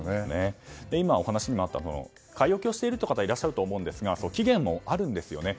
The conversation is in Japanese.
今、お話にもあった買い置きをしている方もいらっしゃると思うんですが期限もあるんですよね。